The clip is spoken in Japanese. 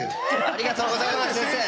ありがとうございます先生。